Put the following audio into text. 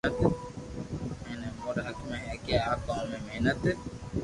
ھين اموري حق ھي ڪي امي آ ڪوم محنت